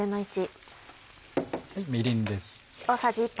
みりんです。